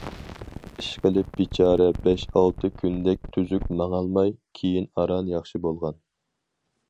ئىشقىلىپ بىچارە بەش، ئالتە كۈندەك تۈزۈك ماڭالماي، كېيىن ئاران ياخشى بولغان.